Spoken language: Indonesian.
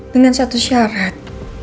dengan satu syarat